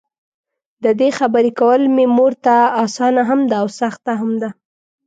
ددې خبري کول مې مورته؛ اسانه هم ده او سخته هم ده.